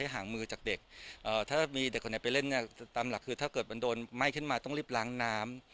ห่างมือจากเด็กถ้ามีเด็กคนไหนไปเล่นเนี่ยตามหลักคือถ้าเกิดมันโดนไหม้ขึ้นมาต้องรีบล้างน้ำ